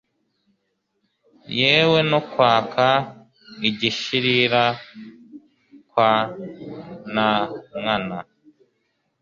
yewe no kwaka igishirira kwa nankana